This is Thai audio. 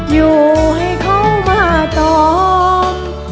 อยู่ให้เขามาตอง